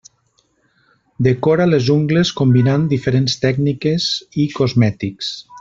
Decora les ungles combinant diferents tècniques i cosmètics.